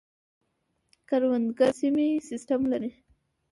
کروندګر د سهمیې سیستم لري.